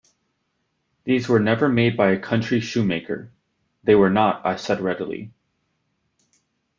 “These were never made by a country shoemaker.” “They were not,” I said readily.